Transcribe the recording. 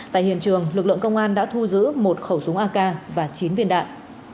tại hiện trường lực lượng công an đã thu giữ một khẩu súng ak và chín viên đạn